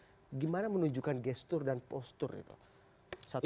bagaimana menunjukkan gestur dan postur itu